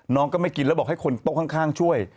น้องก็ไม่กินแล้วบอกให้คนโต๊ะข้างช่วย